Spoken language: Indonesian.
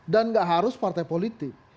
dan gak harus partai politik